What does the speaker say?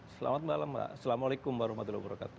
selamat malam mbak assalamualaikum warahmatullahi wabarakatuh